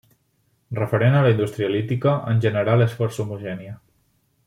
Referent a la indústria lítica, en general és força homogènia.